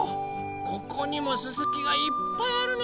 ここにもすすきがいっぱいあるね。